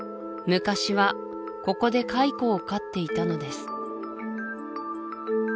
昔はここで蚕を飼っていたのです